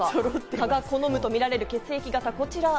蚊が好むとみられる血液型はこちら。